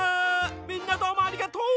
みんなどうもありがとう！